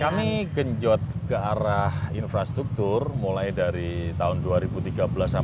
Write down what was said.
kami genjot ke arah infrastruktur mulai dari tahun dua ribu tiga belas sampai